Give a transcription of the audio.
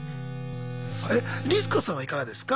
えっリス子さんはいかがですか？